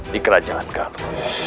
di kerajaan galau